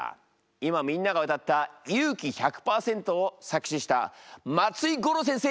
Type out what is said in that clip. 今みんなが歌った「勇気１００％」を作詞した松井五郎先生